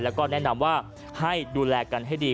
แล้วก็แนะนำว่าให้ดูแลกันให้ดี